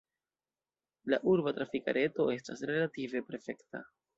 La urba trafika reto estas relative perfekta.